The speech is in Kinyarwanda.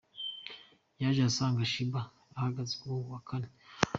Yaje asanga Sheebah wahageze ku wa Kane.